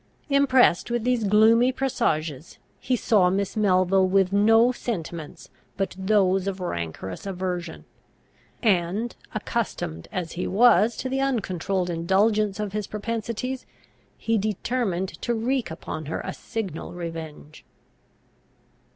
Impressed with these gloomy presages, he saw Miss Melville with no sentiments but those of rancorous aversion; and, accustomed as he was to the uncontrolled indulgence of his propensities, he determined to wreak upon her a signal revenge.